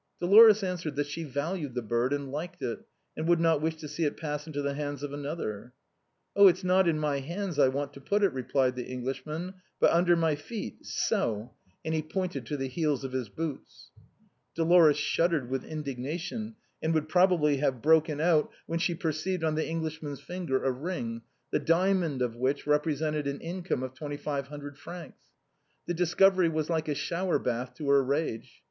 Dolores answered that she valued the bird, and liked it, and would not wish to see it pass into the hands of another. " Oh ! it's not in my hands I want to put it," replied the Englishman, " but under my feet — so —;" and he pointed to the heels of his boots. Dolores shuddered with indignation, and would proba bly have broken out, when she perceived on the English man's finger a ring, the diamond of which represented an income of twenty five hundred francs. This discovery was like a showerbath to her rage.